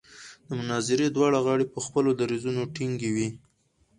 د مناظرې دواړه غاړې په خپلو دریځونو ټینګې وې.